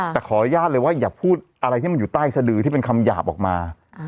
แต่ขออนุญาตเลยว่าอย่าพูดอะไรที่มันอยู่ใต้สะดือที่เป็นคำหยาบออกมา